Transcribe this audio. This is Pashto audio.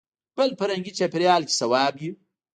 بل فرهنګي چاپېریال کې صواب وي.